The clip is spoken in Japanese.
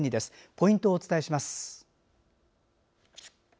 ポイントをお伝えします。